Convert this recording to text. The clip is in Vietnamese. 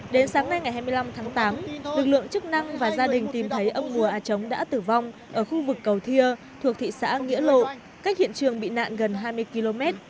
đến sáng nay ngày hai mươi năm tháng tám lực lượng chức năng và gia đình tìm thấy ông mùa á chống đã tử vong ở khu vực cầu thia thuộc thị xã nghĩa lộ cách hiện trường bị nạn gần hai mươi km